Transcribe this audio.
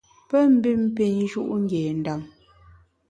Pe mbin pin nju’ ngé ndem.